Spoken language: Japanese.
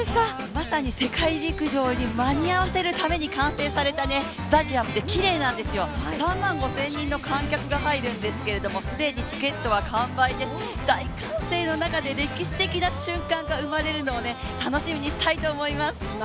まさに世界陸上に間に合わせるために完成されたスタジアムできれいなんですよ、３万５０００人の観客が入るんですけども既にチケットは完売で、大歓声の中で歴史的な瞬間が生まれるのを楽しみにしたいと思います。